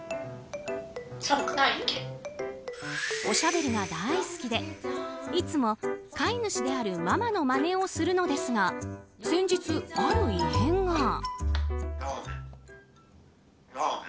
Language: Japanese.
おしゃべりが大好きでいつも飼い主であるママのまねをするのですが先日、ある異変が。